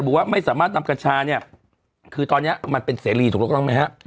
ว่าไม่สามารถนำกัญชาเนี่ยคือตอนนี้มันเป็นเสรีถูกต้องไหมฮะ